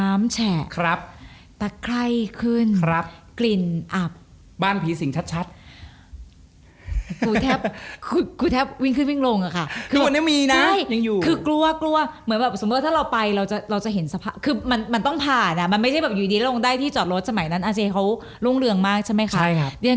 มันคิดต่อเนื่องไปอย่างนั้นเลย